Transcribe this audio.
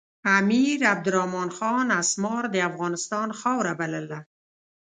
امیر عبدالرحمن خان اسمار د افغانستان خاوره بلله.